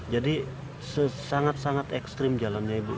jadi sangat sangat ekstrim jalannya ibu